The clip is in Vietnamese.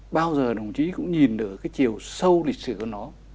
bao giờ đồng chí cũng nhìn được cái chiều sâu lịch sử của nó